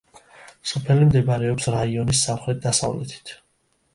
სოფელი მდებარეობს რაიონის სამხრეთ-დასავლეთით.